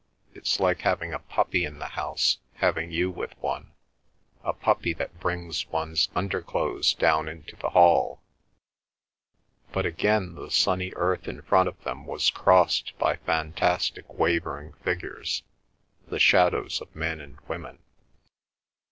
"It's like having a puppy in the house having you with one—a puppy that brings one's underclothes down into the hall." But again the sunny earth in front of them was crossed by fantastic wavering figures, the shadows of men and women.